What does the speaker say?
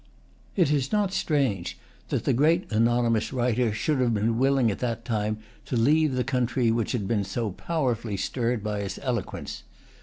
It is not strange that the great anonymous writer should have been willing at that time to leave the country which had been so powerfully stirred by his eloquence.